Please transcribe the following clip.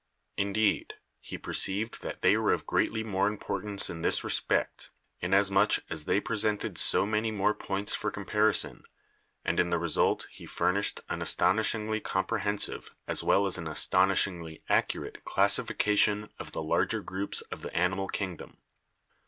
Indeed, he perceived that they were of greatly more importance in this respect, inasmuch as they presented so many more points for comparison, and in the result he furnished an astonishingly comprehensive as well as an astonishingly accurate classification of the larger groups of the animal kingdom.